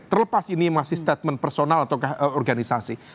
terlepas ini masih statement personal atau organisasi